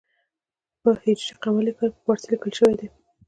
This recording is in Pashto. په ه ق کال کې په پارسي لیکل شوی دی.